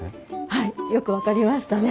はいよく分かりましたね。